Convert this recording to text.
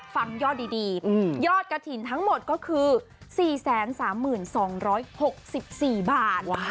ฟังยอดดียอดกระถิ่นทั้งหมดก็คือ๔๓๒๖๔บาท